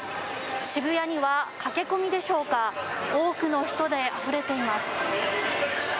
渋谷には駆け込みでしょうか多くの人であふれています。